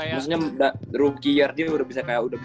maksudnya udah rookie year dia udah bisa